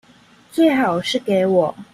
最好是給我